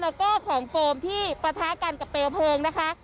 แล้วก็ของโฟมที่ปะทะกันกับเปลวเพลิงนะคะ